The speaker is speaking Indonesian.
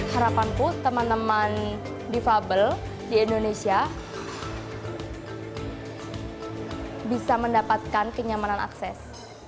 harapanku teman teman difabel di indonesia bisa mendapatkan kenyamanan akses